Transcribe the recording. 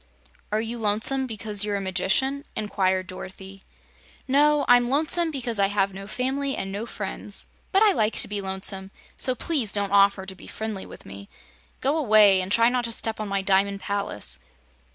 "Are you lonesome because you're a magician?" inquired Dorothy. "No; I'm lonesome because I have no family and no friends. But I like to be lonesome, so please don't offer to be friendly with me. Go away, and try not to step on my Diamond Palace."